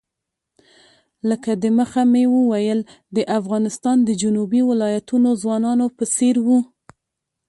لکه د مخه مې وویل د افغانستان د جنوبي ولایتونو ځوانانو په څېر وو.